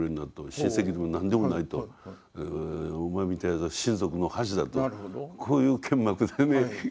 親戚でも何でもないとお前みたいなのは親族の恥だとこういうけんまくでね。